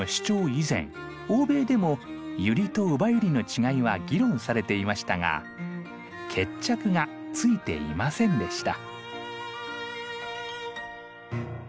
以前欧米でもユリとウバユリの違いは議論されていましたが決着がついていませんでした。